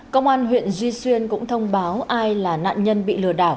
công an huyện duy xuyên cũng thông báo ai là nạn nhân bị lừa đảo